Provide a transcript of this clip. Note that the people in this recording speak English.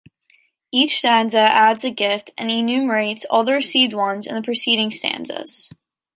Each stanza adds a gift and enumerates all the received ones in the preceding stanzas.